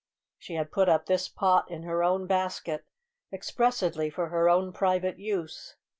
She had put up this pot in her own basket expressly for her own private use.